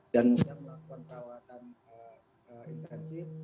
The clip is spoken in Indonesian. dan misalnya melakukan rawatan intensif